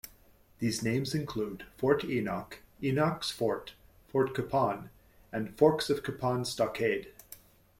These names include: Fort Enoch, Enoch's Fort, Fort Capon, and Forks of Capon Stockade.